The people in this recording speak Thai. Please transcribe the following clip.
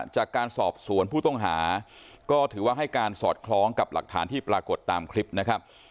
จากการสอบสวนผู้ต้องหาก็ถือว่าให้การสอดคล้องกับหลักฐานที่ปรากฏตามคลิปนะครับ